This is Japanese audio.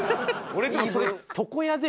俺でもそれ。